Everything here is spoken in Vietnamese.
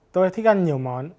tôi thích ăn nhiều món